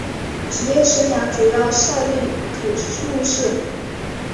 职业生涯主要效力车路士。